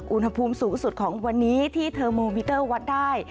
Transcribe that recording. อุณหภูมิสูงสุดของวันนี้ที่เทอร์โมมิเตอร์วัดได้